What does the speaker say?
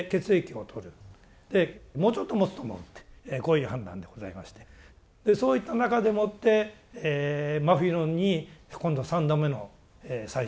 「もうちょっともつと思う」ってこういう判断でございましてでそういった中でもって真冬に今度は３度目の再開がまた始まりまして。